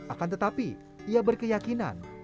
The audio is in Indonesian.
akan tetapi ia berkeyakinan